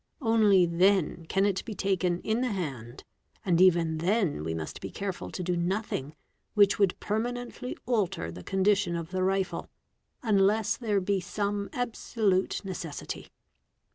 Only then can it be taken in the hand, and even then we must be careful to do nothing which would permanently alter the condition of the rifle, unless there be some absolute necessity.